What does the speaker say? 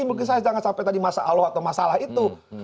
mungkin saya jangan sampai tadi masalah itu